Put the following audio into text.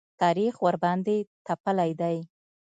تاریخ ورباندې تپلی دی.